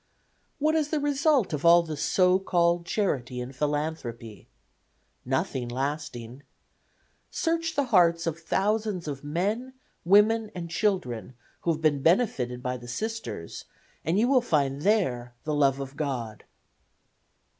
"What is the result of all the so called charity and philanthropy? Nothing lasting. Search the hearts of thousands of men, women and children who have been benefited by the Sisters and you will find there the love of God.